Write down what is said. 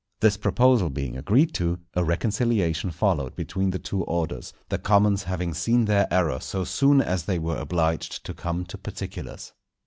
This proposal being agreed to, a reconciliation followed between the two orders; the commons having seen their error so soon as they were obliged to come to particulars.